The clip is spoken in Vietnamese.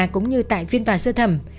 cũng như tại phiên tòa sơ thẩm